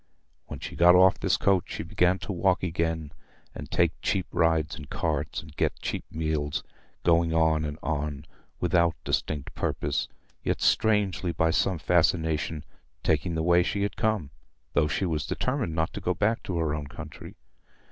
When she got off this coach, she began to walk again, and take cheap rides in carts, and get cheap meals, going on and on without distinct purpose, yet strangely, by some fascination, taking the way she had come, though she was determined not to go back to her own country.